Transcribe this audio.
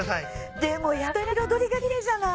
でもやたら彩りがきれいじゃない？